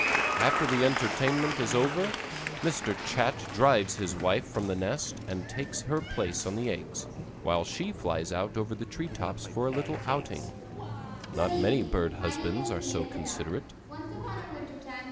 After the entertainment is over, Mr. Chat drives his wife from the nest and takes her place on the eggs while she flies out over the tree tops for a little outing. Not many bird husbands are so considerate.